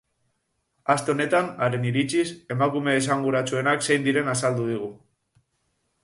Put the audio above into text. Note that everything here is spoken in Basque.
Aste honetan, haren iritziz, emakume esanguratsuenak zein diren azaldu digu.